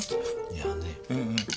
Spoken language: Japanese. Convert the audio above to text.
いやね